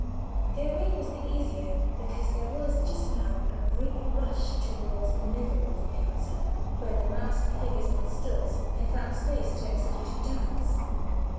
Their way was the easier because there was just now a great rush towards the middle of the piazza, where the masqued figures on stilts had found space to execute a dance.